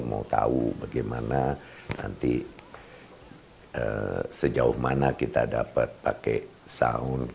mau tahu bagaimana nanti sejauh mana kita dapat pakai sound